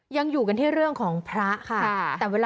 ยังอยู่กันที่เรื่องของพระค่ะ